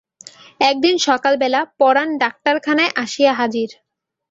একদিন সকালবেলা পরান ডাক্তারখানায় আসিয়া হাজির।